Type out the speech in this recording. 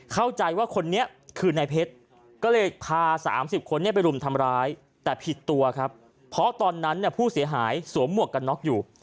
เข้าใจว่าคนนี้คือนายเพชรก็เลยพา๓๐คนไปรุมทำร้ายแต่ผิดตัวครับเพราะตอนนั้นเนี่ยผู้เสียหายสวมหมวกกันน็อกอยู่